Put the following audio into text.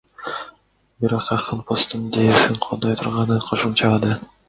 Бирок акын посттун идеясын колдой турганын кошумчалады.